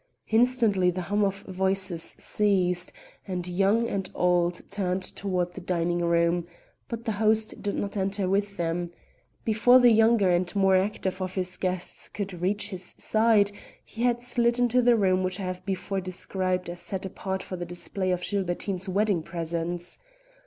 Instantly the hum of voices ceased, and young and old turned toward the dining room, but the host did not enter with them. Before the younger and more active of his guests could reach his side he had slid into the room which I have before described as set apart for the display of Gilbertine's wedding presents.